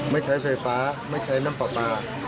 ไม่ใช้ไฟฟ้าไม่ใช้น้ำปลาปลา